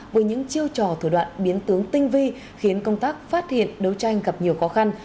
với những chiêu trò thủ đoạn biến tướng tinh vi khiến công tác phát hiện đấu tranh gặp nhiều khó khăn